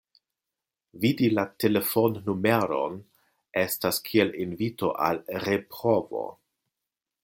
Vidi la telefonnumeron estas kiel invito al reprovo.